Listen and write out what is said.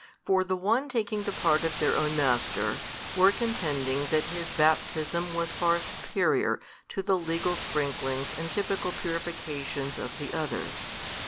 For the one taking the part of their own master, were contending that his Baptism was far superior to the legal sprinklings and typical purifications of the others.